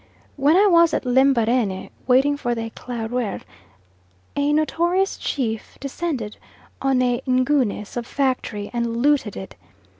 While I was at Lembarene, waiting for the Eclaireur, a notorious chief descended on a Ngunie sub factory, and looted it.